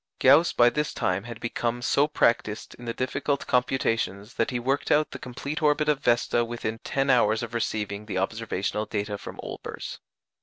Gauss by this time had become so practised in the difficult computations that he worked out the complete orbit of Vesta within ten hours of receiving the observational data from Olbers.